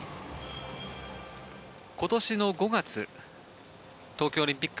今年の５月東京オリンピック